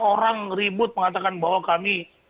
orang ribut mengatakan bahwa kami